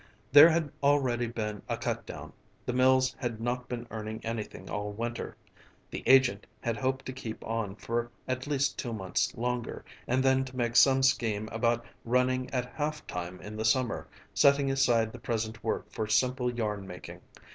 There had already been a cut down, the mills had not been earning anything all winter. The agent had hoped to keep on for at least two months longer, and then to make some scheme about running at half time in the summer, setting aside the present work for simple yarn making.